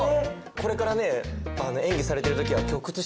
これからね。